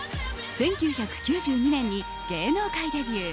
１９９２年に芸能界デビュー。